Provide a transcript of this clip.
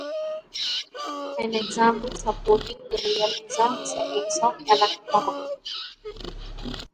An example supporting realism is the case of the electron.